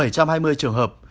bảy trăm hai mươi trường hợp